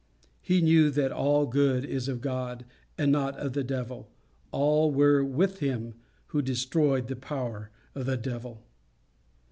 He knew that all good is of God, and not of the devil. All were with him who destroyed the power of the devil.